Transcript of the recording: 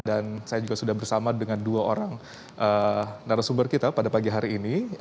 dan saya juga sudah bersama dengan dua orang narasumber kita pada pagi hari ini